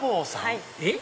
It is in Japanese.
えっ？